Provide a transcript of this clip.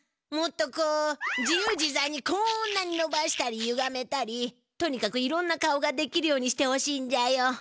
もっとこう自由自ざいにこんなにのばしたりゆがめたりとにかくいろんな顔ができるようにしてほしいんじゃよ。